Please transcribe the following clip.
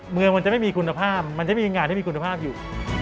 เมืองมันจะไม่มีคุณภาพมันจะไม่มีงานที่มีคุณภาพอยู่